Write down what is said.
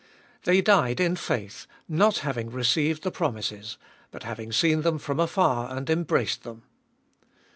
They died in faith, not having received the promises, but having seen them from afar and embraced them.